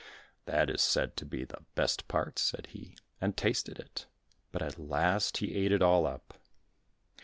"That is said to be the best part," said he, and tasted it, but at last he ate it all up.